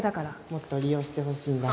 もっと利用してほしいんだ。